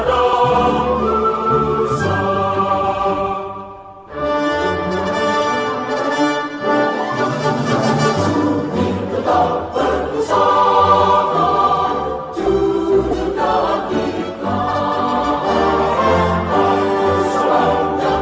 raja bunga awal sacrificed